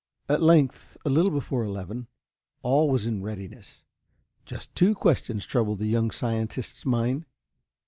At length, a little before eleven, all was in readiness. Just two questions troubled the young scientist's mind.